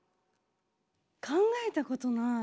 考えたことない。